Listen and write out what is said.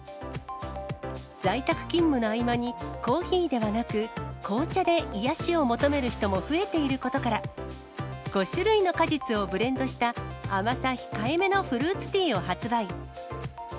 在宅勤務の合間に、コーヒーではなく紅茶で癒やしを求める人も増えていることから、５種類の果実をブレンドした、甘さ控えめのフルーツティーを発売。